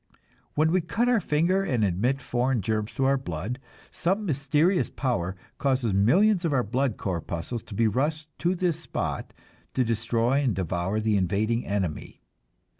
When we cut our finger and admit foreign germs to our blood, some mysterious power causes millions of our blood corpuscles to be rushed to this spot, to destroy and devour the invading enemy.